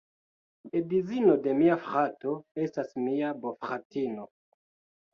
Edzino de mia frato estas mia bofratino.